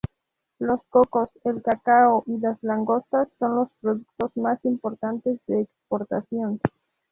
Los cocos, el cacao y las langostas son los productos más importantes de exportación.